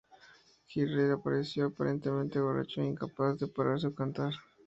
Jim Reid apareció aparentemente borracho e incapaz de pararse o cantar.